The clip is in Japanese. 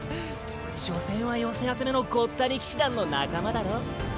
所詮は寄せ集めのごった煮騎士団の仲間だろ？